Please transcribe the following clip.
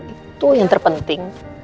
itu yang terpenting